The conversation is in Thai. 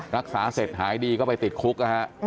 รักษาเสร็จหายดีก็ไปติดคุกนะฮะ